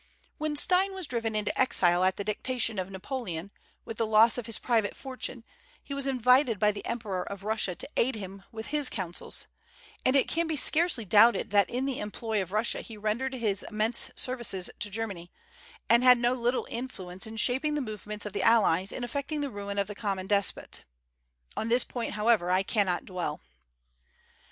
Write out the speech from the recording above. When Stein was driven into exile at the dictation of Napoleon, with the loss of his private fortune, he was invited by the Emperor of Russia to aid him with his counsels, and it can be scarcely doubted that in the employ of Russia he rendered immense services to Germany, and had no little influence in shaping the movements of the allies in effecting the ruin of the common despot. On this point, however, I cannot dwell.